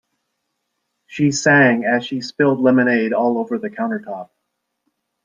She sang as she spilled lemonade all over the countertop.